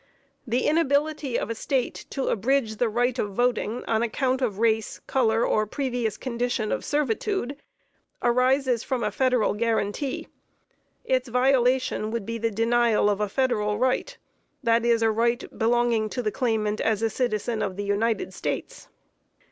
The inability of a State to abridge the right of voting on account of race, color, or previous condition of servitude, arises from a Federal guaranty. Its violation would be the denial of a Federal right that is a right belonging to the claimant as a citizen of the United States.